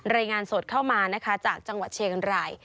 รายงานสดเข้ามานะคะจากจังหวัดเชียงราย